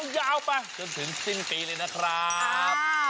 ยาวไปจนถึงสิ้นปีเลยนะครับ